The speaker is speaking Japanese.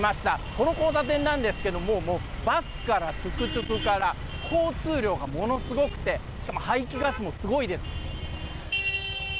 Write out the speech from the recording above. この交差点なんですけども、もうバスからトゥクトゥクから、交通量がものすごくて、しかも排気ガスもすごいです。